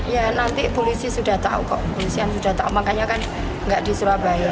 ya nanti polisi sudah tahu kok makanya kan nggak di surabaya